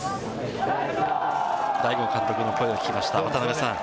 大後監督の声を聞きました。